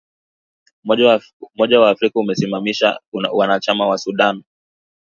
umoja wa afrika imesimamisha uanachama wa Sudan